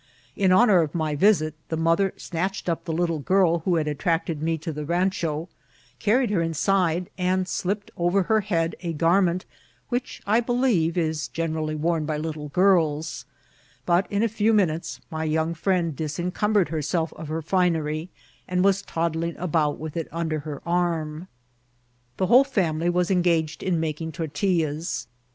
In honour of my visit, the mother snatched up the little girl who had attracted me to the rancho, carried her inside, and slipped over her head a garment which, I believe, is generally worn by little girls; but in a few minutes my young friend disen cumbered herself of her finery, and was toddling about with it under her arm. The whole family was engaged in making tortillas.